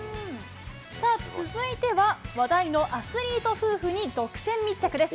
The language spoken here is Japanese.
さあ、続いては、話題のアスリート夫婦に独占密着です。